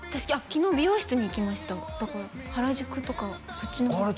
昨日美容室に行きましただから原宿とかそっちの方あれ？